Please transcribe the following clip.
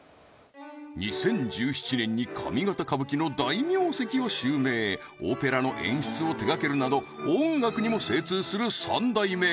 ２０１７年に上方歌舞伎の大名跡を襲名オペラの演出を手がけるなど音楽にも精通する三代目